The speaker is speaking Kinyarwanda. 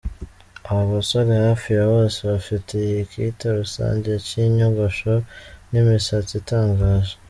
Aba basore hafi ya bose bafite ikita-rusange cy’inyogosho n’imisatsi itangaje.